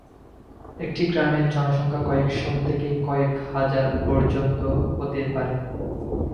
একটি গ্রামের জনসংখ্যা কয়েকশ থেকে কয়েক হাজার পর্যন্ত হতে পারে।